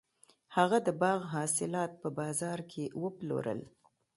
هغه د باغ حاصلات په بازار کې وپلورل.